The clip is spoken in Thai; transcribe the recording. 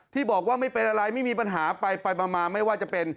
ที่บอกว่าไม่เป็นอะไรไม่มีปัญหาไปมาไม่ว่าจะเป็น